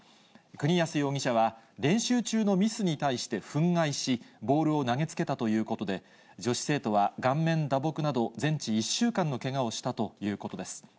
国安容疑者は、練習中のミスに対して憤慨し、ボールを投げつけたということで、女子生徒は顔面打撲など、全治１週間のけがをしたということです。